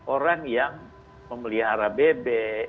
orang yang memelihara bebek